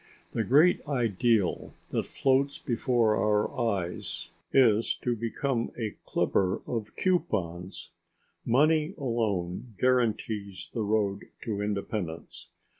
The great ideal that floats before our eyes is to become a clipper of coupons. Money alone guarantees the road to independence.